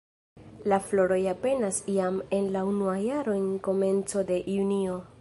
La floroj aperas jam en la unua jaro en komenco de junio.